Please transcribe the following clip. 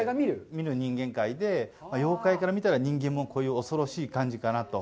見る、人間界で、妖怪から見たら人間もこういう恐ろしい感じかなと。